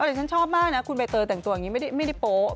แต่ฉันชอบมากนะคุณใบเตยแต่งตัวอย่างนี้ไม่ได้โป๊ะ